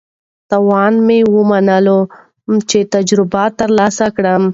تاوان مې ومنلو چې تجربه ترلاسه کړم.